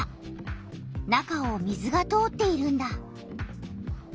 中を水が通っているんだ。